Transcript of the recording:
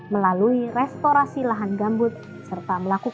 melalui restorasi lahan gambut